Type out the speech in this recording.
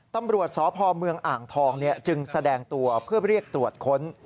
ตำรวจสพเมืองอ่างทองจึงแสดงตัวเพื่อเรียกตรวจค้น